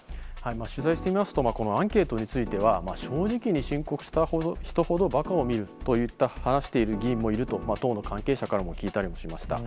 取材して見ますと、このアンケートについては、正直に申告した人ほどばかを見るといった話している議員もいると、党の関係者からも聞いたりもしました。